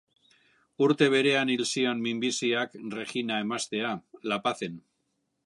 Urte berean hil zion minbiziak Regina emaztea, La Pazen.